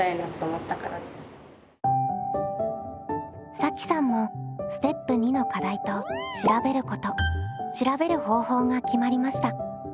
さきさんもステップ２の課題と「調べること」「調べる方法」が決まりました。